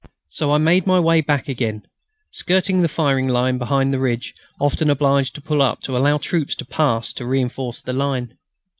So I made my way back again, skirting the firing line behind the ridge, often obliged to pull up to allow troops to pass to reinforce the line.